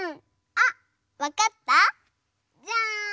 あっわかった？じゃん！